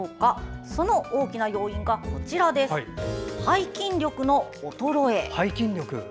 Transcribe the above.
その最も大きな要因となるのが背筋力の衰え。